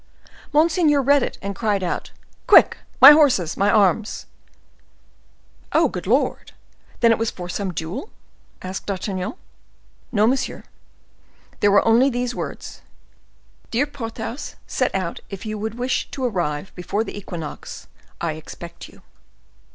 Monseigneur read it and cried out, "Quick, my horses! my arms!'" "Oh, good Lord! then it was for some duel?" said D'Artagnan. "No, monsieur, there were only these words: 'Dear Porthos, set out, if you would wish to arrive before the Equinox. I expect you.